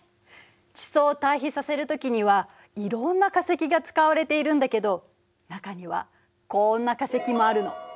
地層を対比させるときにはいろんな化石が使われているんだけど中にはこんな化石もあるの。